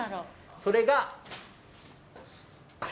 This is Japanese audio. それが。